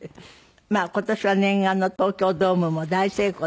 まあ今年は念願の東京ドームも大成功でよかったですね。